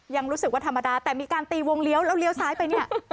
ยังรู้สึกว่าธรรมดาแต่มีการตีวงเลี้ยวแล้วเลี้ยวซ้ายไปเนี่ย